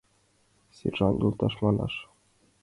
Сержант йолташ манаш...